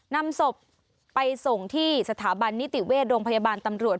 นำศพไปส่งที่สถาบันนิติเวชโรงพยาบาลตำรวจ